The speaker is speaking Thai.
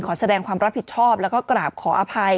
ขอแสดงความรับผิดชอบแล้วก็กราบขออภัย